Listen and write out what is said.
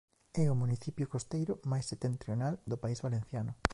É o municipio costeiro máis setentrional do País Valenciano.